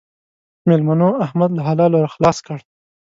مېلمنو؛ احمد له حلالو خلاص کړ.